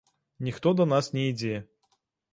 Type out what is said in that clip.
Ніхто да нас не ідзе.